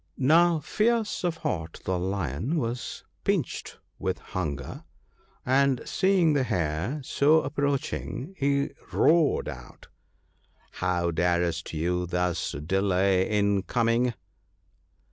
THE PARTING OF FRIENDS. 79 " Now Fierce of heart, the lion, was pinched with hun ger, and seeing the Hare so approaching he roared out, ' How darest thou thus delay in coming